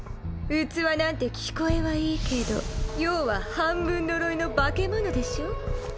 「器」なんて聞こえはいいけど要は半分呪いの化け物でしょ。